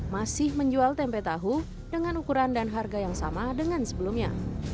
masih menjual tempe tahu dengan ukuran dan harga yang sama dengan sebelumnya